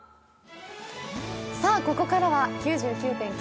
ここからは「９９．９」